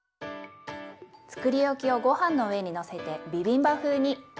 つくりおきをごはんの上にのせてビビンバ風に。